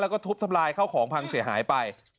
แล้วก็ทุบทำลายข้าวของพังเสียหายไป